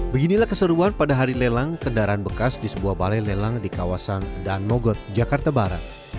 beginilah keseruan pada hari lelang kendaraan bekas di sebuah balai lelang di kawasan dan mogot jakarta barat